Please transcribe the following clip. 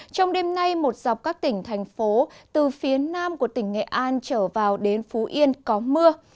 trong đêm nay một dọc các tỉnh thành phố từ phía nam của tỉnh nghệ an trở vào đến phú yên có mưa